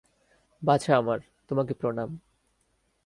বাছা আমার, তোমাকে প্রণাম।